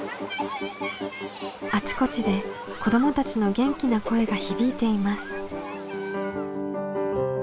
あちこちで子どもたちの元気な声が響いています。